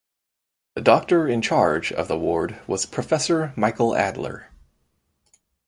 The doctor in charge of the ward was Professor Michael Adler.